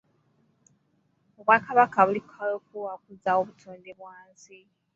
Obwakabaka buli ku kaweefube wa kuzzaawo butonde bwa nsi.